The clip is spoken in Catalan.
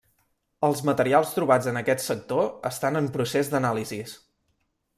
Els materials trobats en aquest sector estan en procés d'anàlisis.